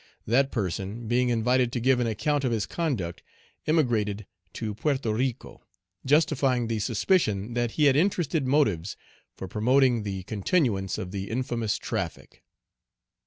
That person, being invited to give an account of his conduct, emigrated to Porto Rico, Page 113 justifying the suspicion that he had interested motives for promoting the continuance of the infamous traffic.